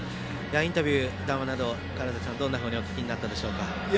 インタビュー、談話などどんなふうにお聞きになりましたか。